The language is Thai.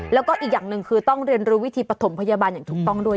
แล้วก็อีกอย่างหนึ่งคือต้องเรียนรู้วิธีปฐมพยาบาลอย่างถูกต้องด้วย